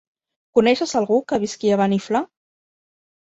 Coneixes algú que visqui a Beniflà?